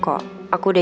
udah ke kamar dulu